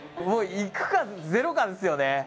行くかゼロかですよね。